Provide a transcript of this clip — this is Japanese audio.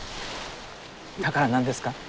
だから何ですか？